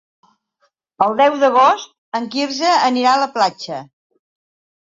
El deu d'agost en Quirze anirà a la platja.